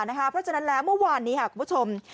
เพราะฉะนั้นแล้วเมื่อวานนี้คุณผู้ชม